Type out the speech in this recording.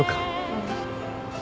うん。